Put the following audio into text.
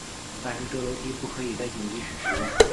但是这楼梯不可以在紧急时使用。